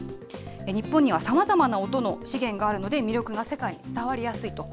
日本にはさまざまな音の資源があるので、魅力が世界に伝わりやすいと。